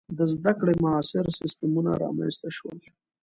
• د زده کړې معاصر سیستمونه رامنځته شول.